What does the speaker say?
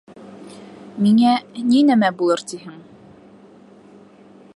Миңә ни нәмә булыр тиһең.